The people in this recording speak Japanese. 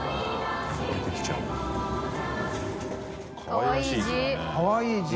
かわいい字。